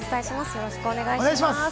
よろしくお願いします。